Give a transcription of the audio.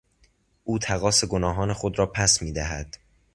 او تقاص گناهان خود را پس میدهد.